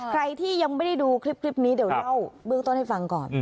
ใครที่ยังไม่ได้ดูคลิปนี้เดี๋ยวเล่าเบื้องต้นให้ฟังก่อน